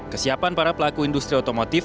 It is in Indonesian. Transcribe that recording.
kesiapan para pelaku industri otomotif